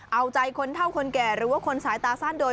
เอาใจคนเท่าคนแก่หรือว่าคนสายตาสั้นโดย